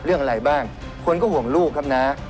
เรื่องอะไรบ้างคนก็ห่วงลูกครับน้า